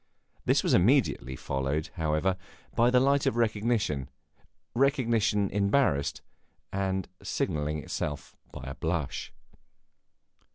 This was immediately followed, however, by the light of recognition recognition embarrassed, and signalling itself by a blush.